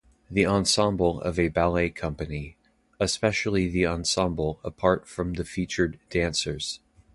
The ensemble of a ballet company, especially the ensemble apart from the featured dancers.